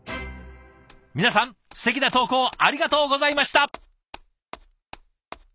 皆さんすてきな投稿ありがとうございました。